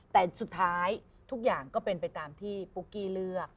แต่สุดท้ายทุกอย่างก็เป็นไปตามที่ปุ๊กกี้เลือก